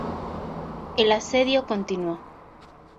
El asedio continuó.